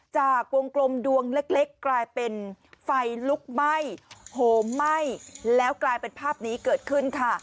จากวงกลมดวงเล็กกลายเป็นไฟลุกไหม้โหมไหม้แล้วกลายเป็นภาพนี้เกิดขึ้นค่ะ